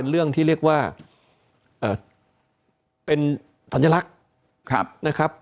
เป็นเรื่องที่เรียกว่าเอ่อเป็นตัญลักษณ์ครับนะครับ